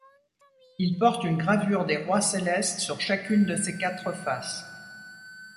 Il porte une gravure des rois célestes sur chacune de ses quatre faces.